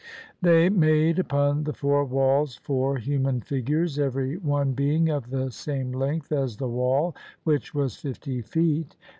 They made upon the four walls four human figures, every one being of the same length as the wall, which was fifty feet.